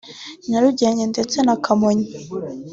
Nyarugenge ndetse na Kamonyi